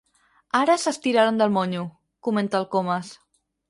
Ara s'estiraran del monyo —comenta el Comas—.